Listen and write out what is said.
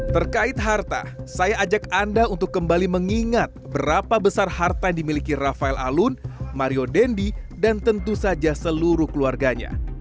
terkait harta saya ajak anda untuk kembali mengingat berapa besar harta yang dimiliki rafael alun mario dendi dan tentu saja seluruh keluarganya